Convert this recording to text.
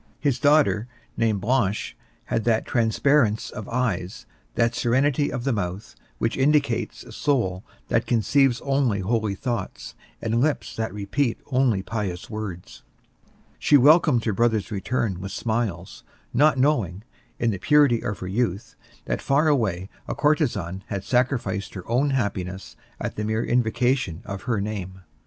His daughter, named Blanche, had that transparence of eyes, that serenity of the mouth, which indicates a soul that conceives only holy thoughts and lips that repeat only pious words. She welcomed her brother's return with smiles, not knowing, in the purity of her youth, that far away a courtesan had sacrificed her own happiness at the mere invocation of her name.